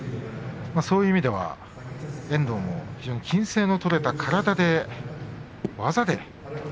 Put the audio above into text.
そういう意味では遠藤も非常に均斉の取れた体で技で。